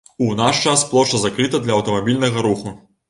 У наш час плошча закрыта для аўтамабільнага руху.